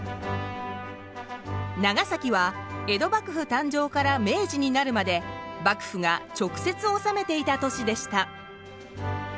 長崎は江戸幕府誕生から明治になるまで幕府が直接治めていた都市でした。